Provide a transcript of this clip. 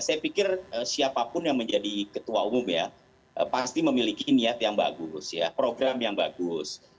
saya pikir siapapun yang menjadi ketua umum ya pasti memiliki niat yang bagus ya program yang bagus